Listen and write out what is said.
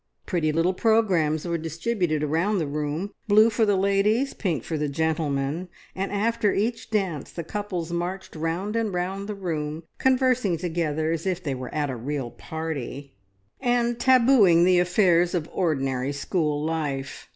Pretty little programmes were distributed around the room; blue for the ladies, pink for the "gentlemen," and after each dance the couples marched round and round the room, conversing together as if they were at "a real party," and tabooing the affairs of ordinary school life.